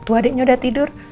tuh adiknya udah tidur